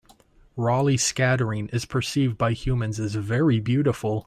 Raleigh scattering is perceived by humans as very beautiful.